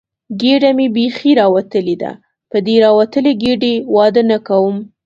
ګېډه مې بیخي راوتلې ده، په دې راوتلې ګېډې واده نه کوم.